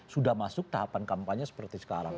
sudah masuk tahapan kampanye seperti sekarang